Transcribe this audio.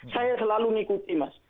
saya selalu mengikuti mas